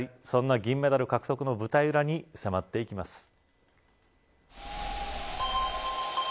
そんな銀メダル獲得の舞台裏に迫っていきます。